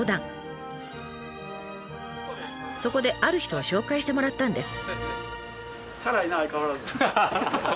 そこである人を紹介してもらったんです。